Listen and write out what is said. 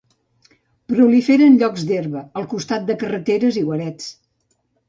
Prolifera en llocs d'herba, al costat de carreteres i guarets.